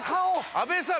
阿部さん